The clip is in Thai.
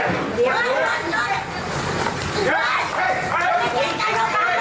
นี่นี่นี่นี่นี่นี่นี่